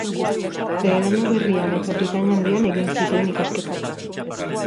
Zeelanda Berrian eta Britainia Handian egin zituen ikasketak.